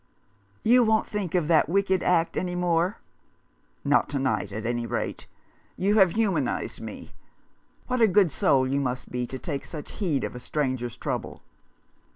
"You won't think of that wicked act any more ?"" Not to night, at any rate. You have humanized me. What a good soul you must be to take such heed of a stranger's trouble